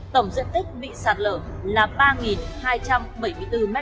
tổng diện tích bị sạt lở là ba hai trăm bảy mươi bốn m hai